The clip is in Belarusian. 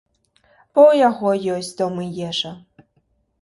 Бо ў яго ёсць дом і ежа.